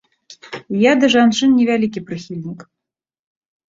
Я да жанчын невялікі прыхільнік.